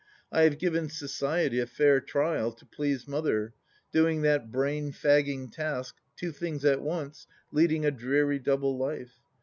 I have given society a fair trial, to please Mother, doing that brain fagging task, two things at once, leading a dreary double life.